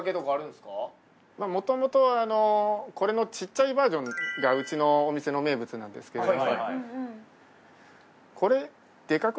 もともとこれのちっちゃいバージョンがうちのお店の名物なんですけれども。